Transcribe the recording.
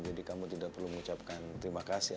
jadi kamu tidak perlu mengucapkan terima kasih